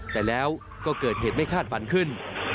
แต่แล้วก็เกิดเหตุไม่คาดฝันขึ้น